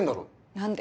何で？